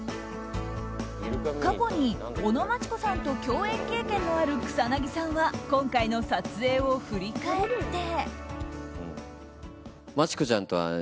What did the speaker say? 過去に尾野真千子さんと共演経験のある草なぎさんは今回の撮影を振り返って。